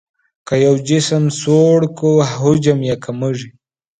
که یو جسم سوړ کړو حجم یې کمیږي.